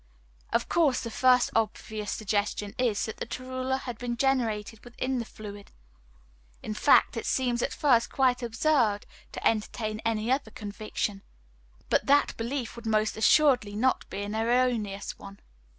Of course the first obvious suggestion is, that the torula has been generated within the fluid. In fact, it seems at first quite absurd to entertain any other conviction; but that belief would most assuredly be an erroneous one.